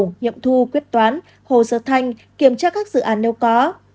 nghiệm thu quyết toán hồ sơ thanh kiểm tra các dự án nếu có